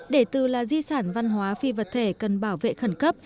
để từ là di sản văn hóa phi vật thể cần bảo vệ khẩn cấp